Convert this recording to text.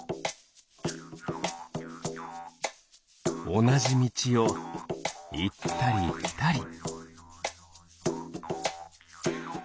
おなじみちをいったりきたり。